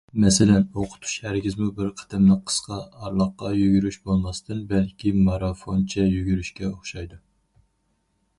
مەسىلەن: ئوقۇتۇش ھەرگىزمۇ بىر قېتىملىق قىسقا ئارىلىققا يۈگۈرۈش بولماستىن، بەلكى مارافونچە يۈگۈرۈشكە ئوخشايدۇ.